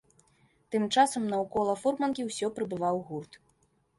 Тым часам наўкола фурманкі ўсё прыбываў гурт.